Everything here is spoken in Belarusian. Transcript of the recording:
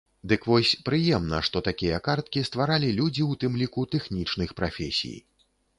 Дык вось, прыемна, што такія карткі стваралі людзі ў тым ліку тэхнічных прафесій.